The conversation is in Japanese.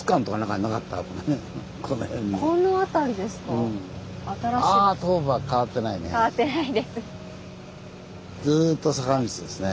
あ東武は変わってないね。